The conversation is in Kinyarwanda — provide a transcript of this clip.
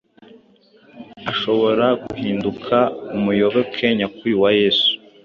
ashobora guhinduka umuyoboke nyakuri wa Yesu.